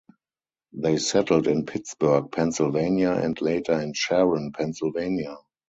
They settled in Pittsburgh, Pennsylvania and later in Sharon, Pennsylvania.